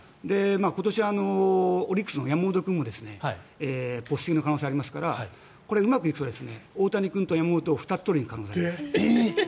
今年、オリックスの山本君もポスティングの可能性がありますからこれ、うまくいくと大谷君と山本、２つ取りに行く可能性があります。